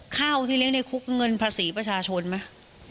ข้าวที่เลี้ยงในคุกเงินภาษีประชาชนไหม